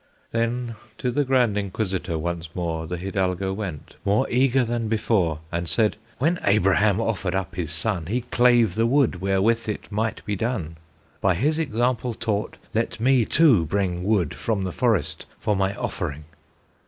Then to the Grand Inquisitor once more The Hidalgo went, more eager than before, And said: "When Abraham offered up his son, He clave the wood wherewith it might be done. By his example taught, let me too bring Wood from the forest for my offering!"